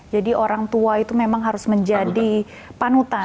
jadi orang tua itu memang harus menjadi panutan